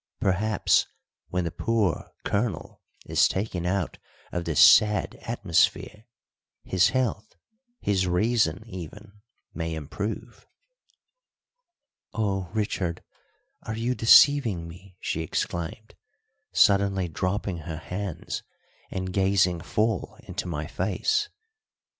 Perhaps when the poor Colonel is taken out of this sad atmosphere, his health, his reason even, may improve." "Oh, Richard, are you deceiving me?" she exclaimed, suddenly dropping her hands and gazing full into my face.